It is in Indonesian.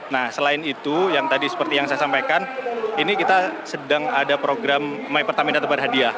nah selain itu yang tadi seperti yang saya sampaikan ini kita sedang ada program my pertamina tebar hadiah